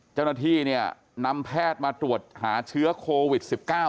เจ้าหน้าที่เนี่ยนำแพทย์มาตรวจหาเชื้อโควิด๑๙